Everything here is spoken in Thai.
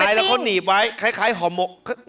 ใส่ไม้แล้วค่อนหนีบไว้คล้ายห่อหมก